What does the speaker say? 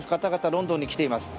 ロンドンに来ています。